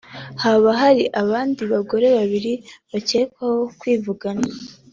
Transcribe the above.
haba hari abandi bagore babiri bakekwaho kwivugana